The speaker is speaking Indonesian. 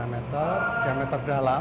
lima meter diameter dalam